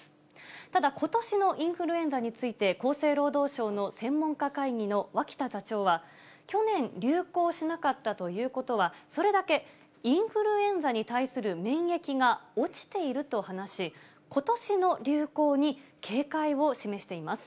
ただ、ことしのインフルエンザについて、厚生労働省の専門家会議の脇田座長は、去年流行しなかったということは、それだけインフルエンザに対する免疫が落ちていると話し、ことしの流行に警戒を示しています。